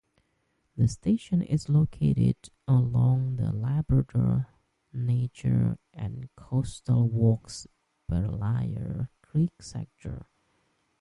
The station is located along the Labrador Nature and Coastal Walk's Berlayer Creek sector.